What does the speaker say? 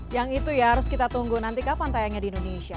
yang itu ya harus kita tunggu nanti kapan tayangnya di indonesia